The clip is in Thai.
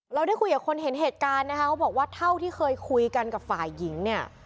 เราได้คุยกับคนเห็นเหตุการณ์นะคะเขาบอกว่าเท่าที่เคยคุยกันกับฝ่ายหญิงเนี่ย